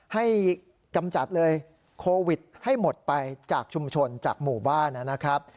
กำจัดเลยโควิดให้หมดไปจากชุมชนจากหมู่บ้านนะครับ